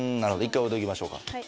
一回置いときましょうか。